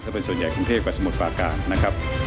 ก็เป็นส่วนใหญ่กรุงเทพกว่าสมุทรฝากกลาง